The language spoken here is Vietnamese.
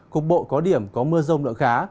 cục bộ có điểm có mưa rông lượng khá